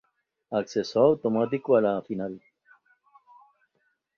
Acceso automático a la final.